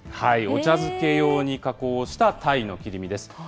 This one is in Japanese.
お茶漬け用に加工したタイの切り身です。